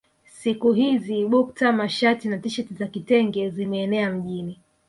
Siku hizi bukta mashati na tisheti za kitenge zimeenea mjini